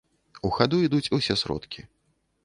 У хаду ідуць усе сродкі.